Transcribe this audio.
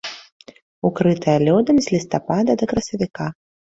Укрытая лёдам з лістапада да красавіка.